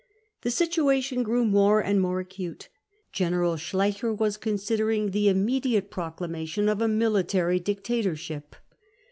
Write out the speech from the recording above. The situation grew more and more acute. General Schleicher was considering the immediate proclamation of a military dictatorship.